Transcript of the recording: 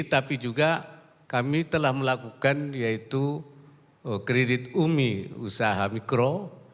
tapi juga kami telah melakukan yaitu kredit umi usaha mikro